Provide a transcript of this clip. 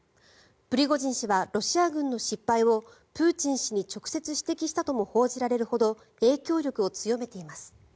プリゴジン氏はロシア軍の失敗を、プーチン氏に直接指摘したとも報じられるほど影響力を強めています。